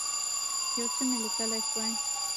یو څه مي لیکلای شوای.